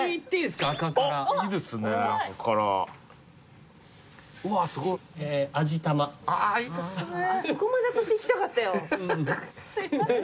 すいません。